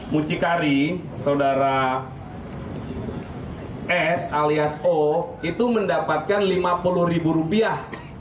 mucikari saudara s alias o itu mendapatkan lima puluh ribu rupiah